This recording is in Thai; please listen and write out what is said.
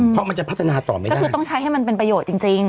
เพราะมันจะพัฒนาต่อไม่ได้ก็คือต้องใช้ให้มันเป็นประโยชน์จริง